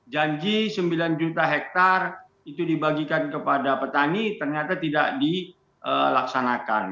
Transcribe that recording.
janji sembilan juta hektare itu dibagikan kepada petani ternyata tidak dilaksanakan